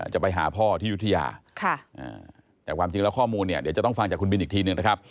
จะไปหาพ่อที่ยุธยาแต่ความจริงแล้วข้อมูลเนี่ยเดี๋ยวจะต้องฟังจากคุณบินอีกทีหนึ่งนะครับ